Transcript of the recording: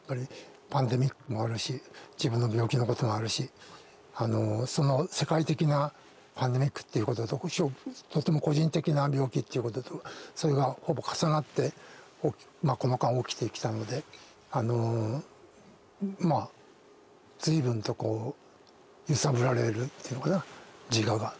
パンデミックもあるし自分の病気のこともあるしその世界的なパンデミックっていうことととても個人的な病気っていうこととそれがほぼ重なってこの間起きてきたのでまあ随分とこう揺さぶられるっていうのかな自我が。